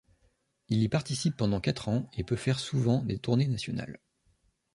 Il y participe pendant quatre ans et peut faire souvent des tournées nationales.